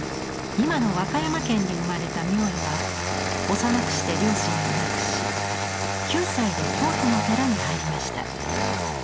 今の和歌山県に生まれた明恵は幼くして両親を亡くし９歳で京都の寺に入りました。